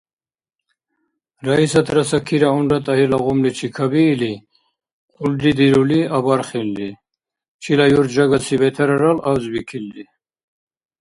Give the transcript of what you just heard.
Раисатра Сакира, унра ТӀагьирла гъумличи кабиили, «хъулри» дирули абархилри. Чила юрт жагаси бетарарал, абзбикилри.